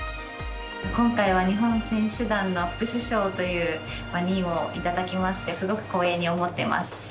今回は日本選手団の副主将という任をいただきましてすごく光栄に思ってます。